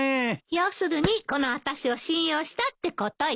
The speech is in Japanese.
要するにこの私を信用したってことよ。